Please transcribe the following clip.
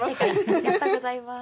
ありがとうございます。